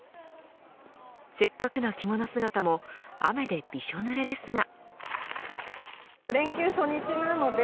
せっかくの着物姿も雨でびしょぬれですが。